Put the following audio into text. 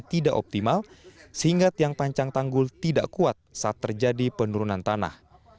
tidak optimal sehingga tiang pancang tanggul tidak kuat saat terjadi penurunan tanah